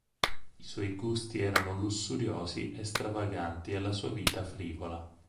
I suoi gusti erano lussuriosi e stravaganti e la sua vita frivola.